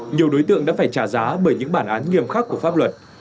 nhiều đối tượng đã phải trả giá bởi những bản án nghiêm khắc của pháp luật